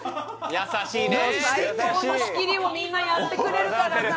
優しいねもう最高の仕切りをみんなやってくれるからさ